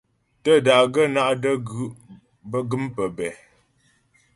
Tə́da'gaə́ bə́ ná’ də́gú' gə́m pəbɛ̂.